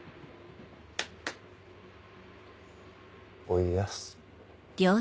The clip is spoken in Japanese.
おいでやす。